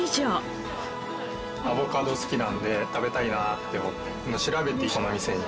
アボカド好きなので食べたいなって思って調べてこの店に。